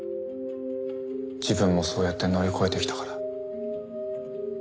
自分もそうやって乗り越えてきたから。